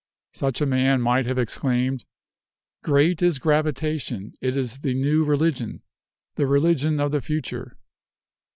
Such a man might have exclaimed, 'Great is gravitation; it is the new religion, the religion of the future